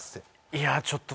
いやちょっと。